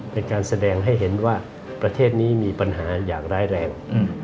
เป็นการแสดงให้เห็นว่าประเทศนี้มีปัญหาอย่างร้ายแรง